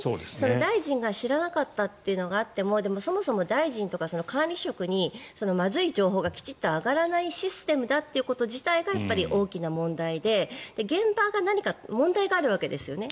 大臣が知らなかったというのがあって、そもそも大臣とか管理職にまずい情報がきちんと上がらないシステムだということ自体が大きな問題で現場が何か問題があるわけですよね。